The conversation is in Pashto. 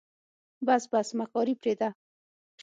بس بس مکاري پرېده.